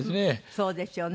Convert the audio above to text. そうですよね。